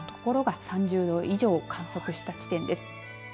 オレンジ色の所が３０度以上を観測した地点です。